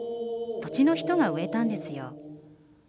「土地の人が植えたんですよ」。